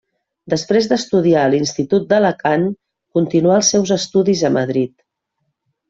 Després d'estudiar a l'Institut d'Alacant continuà els seus estudis a Madrid.